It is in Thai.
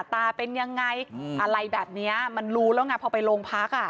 ตาเป็นยังไงอะไรแบบเนี้ยมันรู้แล้วไงพอไปโรงพักอ่ะ